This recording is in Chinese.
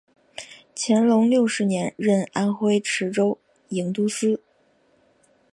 乾隆六十年任安徽池州营都司。